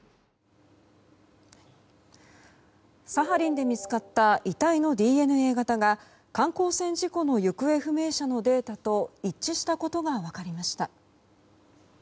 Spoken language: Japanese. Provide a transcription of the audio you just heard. サハリンで見つかった遺体のＤＮＡ型が観光船事故の行方不明者のデータと一致したことが分かりました。